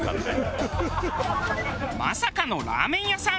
まさかのラーメン屋さん。